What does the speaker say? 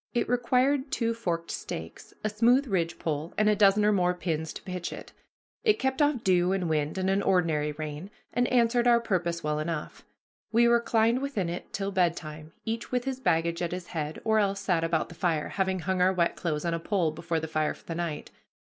It required two forked stakes, a smooth ridgepole, and a dozen or more pins to pitch it. It kept off dew and wind and an ordinary rain, and answered our purpose well enough. We reclined within it till bedtime, each with his baggage at his head, or else sat about the fire, having hung our wet clothes on a pole before the fire for the night.